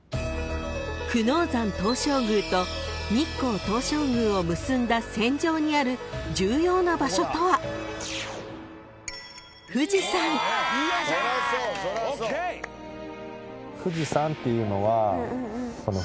［久能山東照宮と日光東照宮を結んだ線上にある重要な場所とは？］っていうのは。